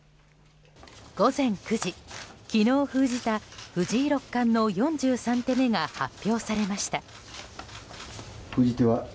午前９時、昨日封じた藤井六冠の４３手目が発表されました。